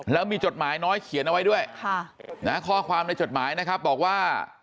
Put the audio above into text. แล้วมีจดหมายน้อยเขียนเอาไว้ด้วยข้อความในจดหมายนะครับบอกว่า